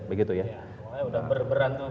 ya semuanya sudah berberan